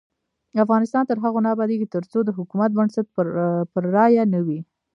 افغانستان تر هغو نه ابادیږي، ترڅو د حکومت بنسټ پر رایه نه وي.